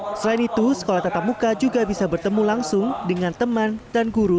selain itu sekolah tatap muka juga bisa bertemu langsung dengan teman dan guru